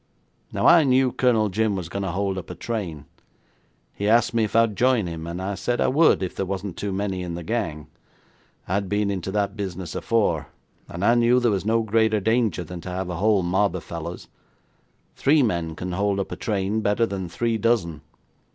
Now, I knew Colonel Jim was going to hold up a train. He asked me if I would join him, and I said I would if there wasn't too many in the gang. I'd been into that business afore, and I knew there was no greater danger than to have a whole mob of fellows. Three men can hold up a train better than three dozen.